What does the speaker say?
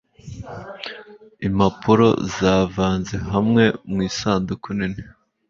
Impapuro zavanze hamwe mu isanduku nini.